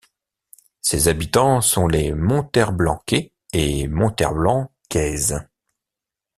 Ses habitants sont les Monterblancais et Monterblancaises.